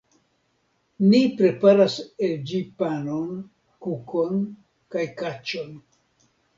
Ni preparas el ĝi panon, kukon kaj kaĉon.